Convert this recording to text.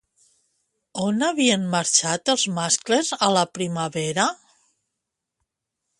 On havien marxat els mascles a la primavera?